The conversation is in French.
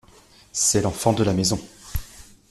C'est l'enfant de la maison.